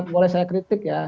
boleh saya kritik ya